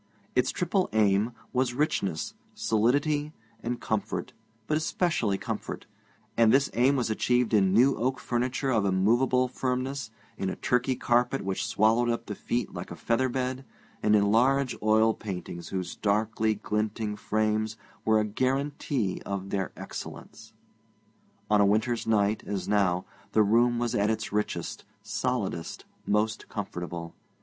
Its triple aim, was richness, solidity, and comfort, but especially comfort; and this aim was achieved in new oak furniture of immovable firmness, in a Turkey carpet which swallowed up the feet like a feather bed, and in large oil paintings, whose darkly glinting frames were a guarantee of their excellence. On a winter's night, as now, the room was at its richest, solidest, most comfortable.